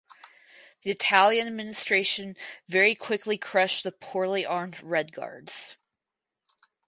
The Italian administration very quickly crushed the poorly armed "red guards".